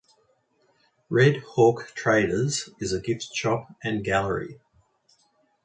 Red Hawk Traders is a gift shop and gallery.